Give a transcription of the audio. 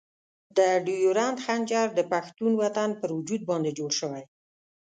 د ډیورنډ خنجر د پښتون وطن پر وجود باندې جوړ شوی.